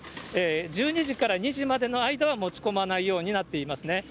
１２時から２時までの間は持ち込まないようになっていますね。